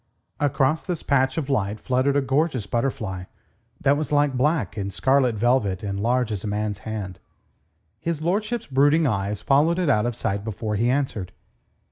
Across this patch of light fluttered a gorgeous butterfly, that was like black and scarlet velvet and large as a man's hand. His lordship's brooding eyes followed it out of sight before he answered.